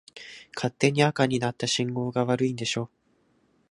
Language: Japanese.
勝手に赤になった信号機が悪いんでしょ。